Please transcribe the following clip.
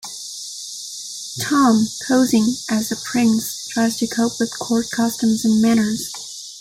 Tom, posing as the prince, tries to cope with court customs and manners.